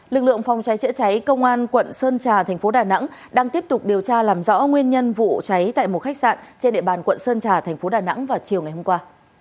lực lượng phòng cháy chữa cháy công an quận sơn trà tp đà nẵng đang tiếp tục điều tra làm rõ nguyên nhân vụ cháy tại một khách sạn trên địa bàn quận sơn trà tp đà nẵng vào chiều hôm qua